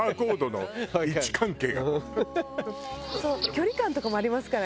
距離感とかもありますからね。